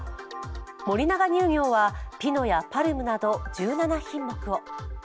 森永乳業はピノやＰＡＲＭなど１７品目を。